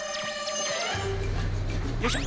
よいしょ。